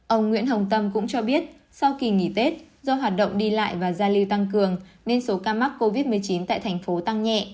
ông nguyễn hồng tâm cũng cho biết sau kỳ nghỉ tết do hoạt động đi lại và giao lưu tăng cường nên số ca mắc covid một mươi chín tại thành phố tăng nhẹ